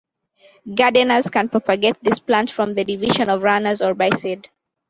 Gardeners can propagate this plant from the division of runners or by seed.